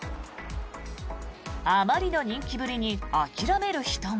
あまりの人気ぶりに諦める人も。